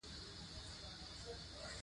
د هغه داستانونه ساده او روان دي.